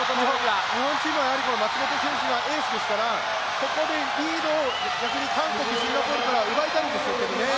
日本チームは松元選手がエースですからここでリードを韓国シンガポールから奪いたいですけどね。